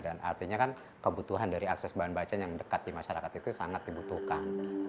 artinya kan kebutuhan dari akses bahan bacaan yang dekat di masyarakat itu sangat dibutuhkan